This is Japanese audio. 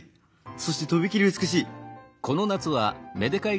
そしてとびきり美しい」。